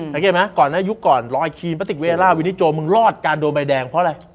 เห็นไหมก่อนนี้ยุคก่อนร้อยครีมประติกเวียระวินิโจมมึงรอดการโดนใบแดงเพราะอะไร